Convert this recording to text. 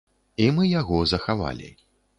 І мы яго захавалі.